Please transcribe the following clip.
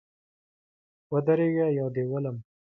ودرېږه یا دي ولم